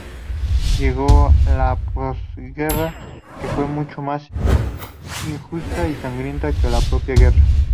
Llegó la posguerra que fue mucho más injusta y sangrienta que la propia guerra.